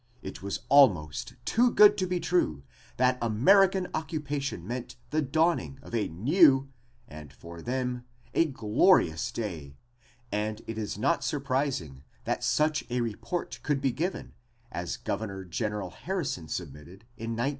It was almost too good to be true that American occupation meant the dawning of a new, and for them, a glorious day, and it is not surprising that such a report could be given as Governor General Harrison submitted in 1919.